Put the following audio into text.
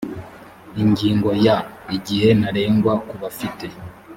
ingingo ya igihe ntarengwa ku bafite